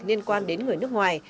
liên quan đến người nước ngoài